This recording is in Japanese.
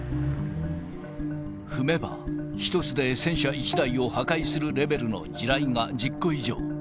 踏めば１つで戦車１台を破壊するレベルの地雷が１０個以上。